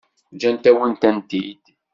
Ǧǧant-awen-tent-id?